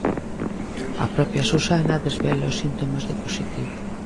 A propia Susana desvela os síntomas do positivo.